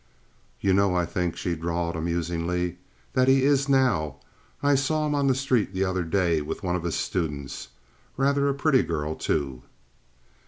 "You know I think," she drawled, amusingly, "that he is now. I saw him on the street the other day with one of his students—rather a pretty girl, too."